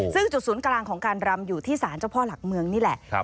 ซึ่งจุดศูนย์กลางของการรำอยู่ที่ศาลเจ้าพ่อหลักเมืองนี่แหละ